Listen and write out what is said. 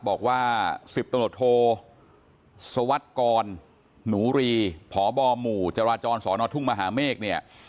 บอกว่า๑๐ตำรวจโทสวัสดิ์กรหนูรีพบหมู่จราจรสอนอทุ่งมหาเมฆเนี่ย